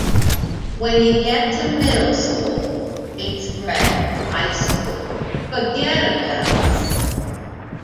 When you get to middle school, eighth grade, high school - forget about it.